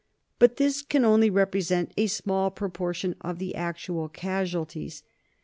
But this can only represent a small proportion of the actual casualties.